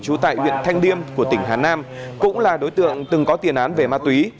trú tại huyện thanh liêm của tỉnh hà nam cũng là đối tượng từng có tiền án về ma túy